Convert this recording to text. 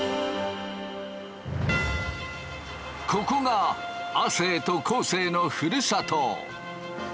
ここが亜生と昴生のふるさと。